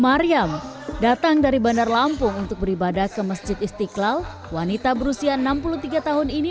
mariam datang dari bandar lampung untuk beribadah ke masjid istiqlal wanita berusia enam puluh tiga tahun ini